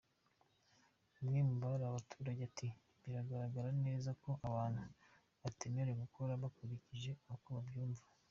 Umwe muri aba baturage ati: “Biragaragara neza ko abantu batemerewe gutora bakurikije uko babyumva.